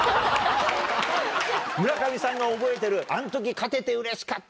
村上さんが覚えてる「あの時勝ててうれしかった」。